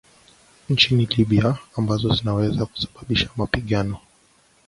nchini Libya ambazo zinaweza kusababisha mapigano